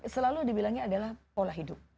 selalu dibilangnya adalah pola hidup